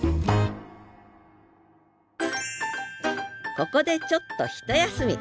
ここでちょっとひと休み！